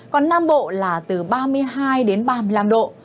còn nam bộ là từ ba mươi hai đến ba mươi năm độ